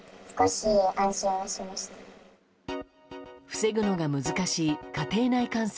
防ぐのが難しい家庭内感染。